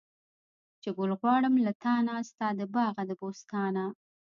چې ګل غواړم له تانه، ستا د باغه د بوستانه